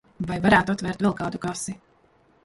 Vai varētu atvērt vēl kādu kasi?